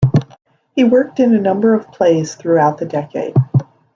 He worked in a number of plays throughout the decade.